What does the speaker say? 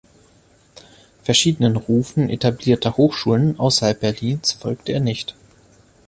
Verschiedenen Rufen etablierter Hochschulen außerhalb Berlins folgte er nicht.